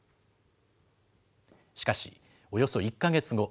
しかし、およそ１か月後。